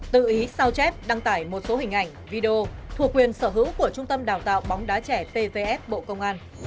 tự ý sao chép đăng tải một số hình ảnh video thuộc quyền sở hữu của trung tâm đào tạo bóng đá trẻ pvf bộ công an